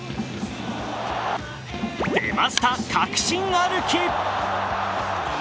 出ました、確信歩き！